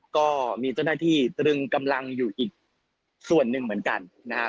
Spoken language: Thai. ก็มีเจ้าหน้าที่ตรึงกำลังอยู่อีกส่วนหนึ่งเหมือนกันนะครับ